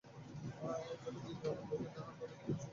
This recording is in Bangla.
এই জন্য দুই গ্রামের লোকেই তাহার কথা খুব স্পষ্ট বুঝিতে পারিত।